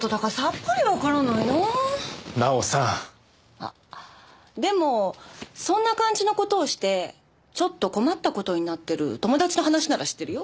あでもそんな感じの事をしてちょっと困った事になってる友達の話なら知ってるよ。